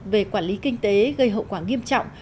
về quản lý kinh tế gây hậu quả nghiêm trọng